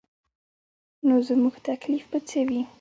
نو زموږ تکلیف به څه وي.